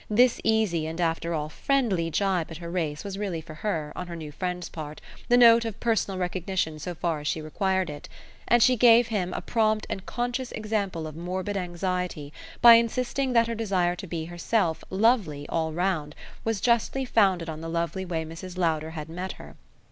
This easy and after all friendly jibe at her race was really for her, on her new friend's part, the note of personal recognition so far as she required it; and she gave him a prompt and conscious example of morbid anxiety by insisting that her desire to be, herself, "lovely" all round was justly founded on the lovely way Mrs. Lowder had met her.